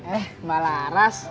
eh mbak laras